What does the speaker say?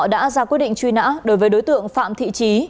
đã ra quyết định truy nã đối với đối tượng phạm thị trí